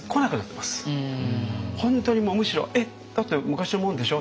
本当にむしろ「えっだって昔のもんでしょ？